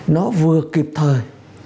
nó vừa kịp thời